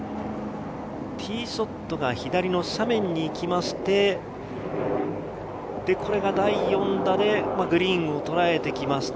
ティーショットが左の斜面に行きまして、これが第４打でグリーンをとらえてきました。